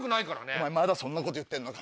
お前まだそんなこと言ってんのか。